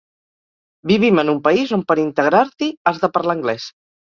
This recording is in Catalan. Vivim en un país on per integrar-t’hi has de parlar anglès.